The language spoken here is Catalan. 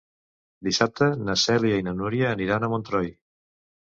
Dissabte na Cèlia i na Núria aniran a Montroi.